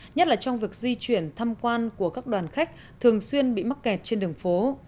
nhất là trong việc di chuyển thăm quan của các đoàn khách thường xuyên bị mắc kẹt trên đường phố